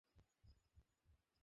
নতুন ব্যবসা নতুন গাড়ি।